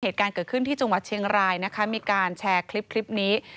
เหตุการณ์เกิดขึ้นที่จังหวัดเชียงรายนะคะมีการแชร์คลิปนี้